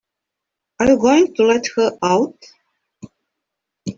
Are you going to let her out?